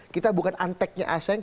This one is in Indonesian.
kita bukan anteknya asing